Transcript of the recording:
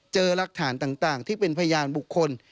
รักฐานต่างที่เป็นพยานบุคคล